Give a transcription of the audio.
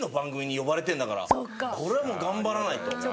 これはもう頑張らないと。